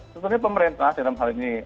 sebenarnya pemerintah dalam hal ini